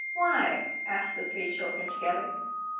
"Why?" asked the three children together.